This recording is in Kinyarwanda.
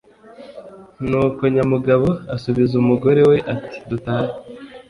ni uko nyamugabo asubiza umugore we ati"dutahe